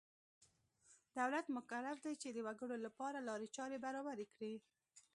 دولت مکلف دی چې د وګړو لپاره لارې چارې برابرې کړي.